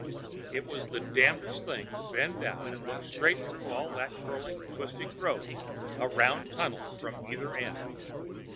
It was the damnedest thing to bend down and look straight through all that curling, twisting growth ... a round tunnel from either end.